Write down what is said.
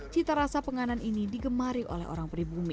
cita rasa penganan ini digemari oleh orang pribumi